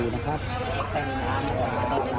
นะฮะ